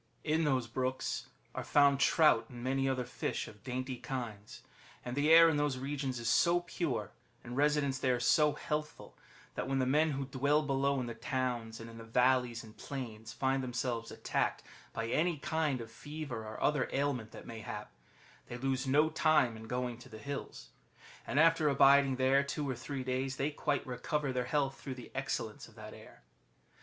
In those brooks are found trout and many other fish of dainty kinds ; and the air in those regions is so pure, and residence there so healthful, that when the men who dwell below in the towns, and in the valleys and plains, find Chap. XXIX. THE TROVINCE OF BADASITAN 159 themselves attacked by any kind of fever or other ailment that may hap, they lose no time in going to the hills ; and after abiding there two or three days, they quite recover their health through the excellence of that air.